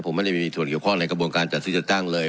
ผมไม่ได้มีส่วนเกี่ยวข้องในกระบวนการจัดซื้อจัดจ้างเลย